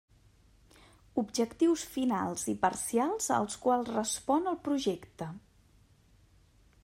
Objectius finals i parcials als quals respon el projecte.